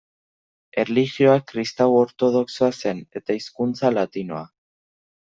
Erlijioa kristau ortodoxoa zen eta hizkuntza latinoa.